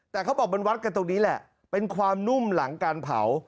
แต่เขาบอกมันวัดกันตรงนี้แหละเป็นความนุ่มหลังการเผา